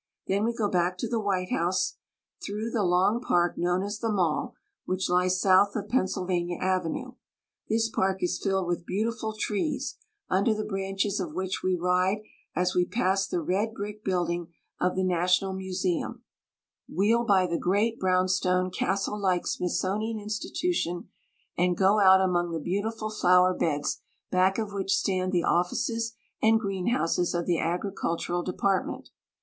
Then we go back to the White House through the long park known as the Mall, which lies south of Pennsylvania Avenue. This park is filled with beautiful trees, under the branches of which we ride as we pass the red brick building of the National Museum, OUR NATIONAL CAPITAL. 23 wheel by the great brownstone castle like Smithsonian Institution, and go out among the beautiful flower beds back of which stand the offices and greenhouses of the Agricultural Department.